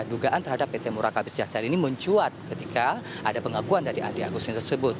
dugaan terhadap pt muraka bisjahsari ini mencuat ketika ada pengakuan dari andi agustinus tersebut